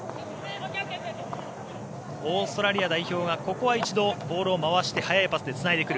オーストラリア代表がここは一度、ボールを回して速いパスでつないでくる。